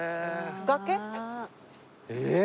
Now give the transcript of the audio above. えっ？